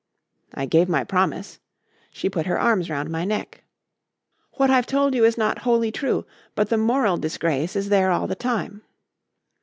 "I gave my promise. She put her arms round my neck. "'What I've told you is not wholly true. But the moral disgrace is there all the time.'